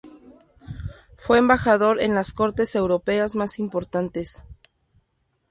Fue embajador en las cortes europeas más importantes.